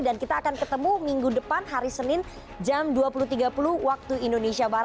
dan kita akan ketemu minggu depan hari senin jam dua puluh tiga puluh wib